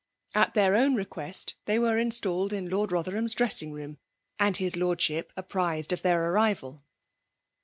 At their own request, they were installed in Lord Botherham's dressing room, and his Lordship apprized of their arrival.